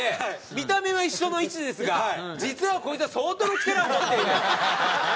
見た目は一緒の位置ですが実はこいつは相当の力を持っている。